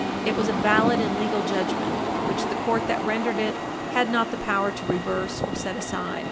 It was a valid and legal judgment, which the court that rendered it had not the power to reverse or set aside.